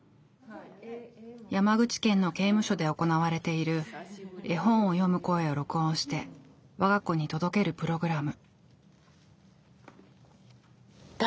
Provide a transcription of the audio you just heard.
山口県の刑務所で行われている絵本を読む声を録音してわが子に届けるプログラム。